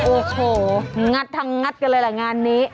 โอ้โหงัดทั้งงัดกันเลยแหละงานนี้